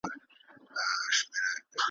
نن د هغو فرشتو سپین هغه واورین لاسونه `